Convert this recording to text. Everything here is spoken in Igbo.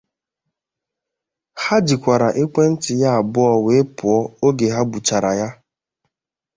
Ha jikwara ekwentị ya abụọ wee pụọ oge ha gbuchara ya.